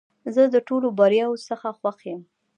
زه د ټولو بریاوو څخه خوښ یم .